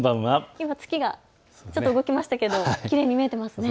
今、月が、ちょっと動きましたけれども、きれいに見えてますね。